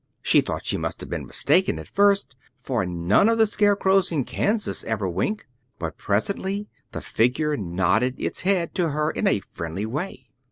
She thought she must have been mistaken at first, for none of the scarecrows in Kansas ever wink; but presently the figure nodded its head to her in a friendly way.